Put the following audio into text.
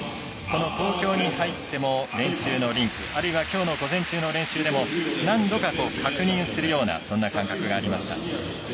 東京に入っても練習のリンクあるいは午前中の練習でも何度も確認するようなそんな動きがありました。